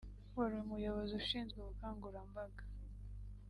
wari umuyobozi ushinzwe ubukangurambaga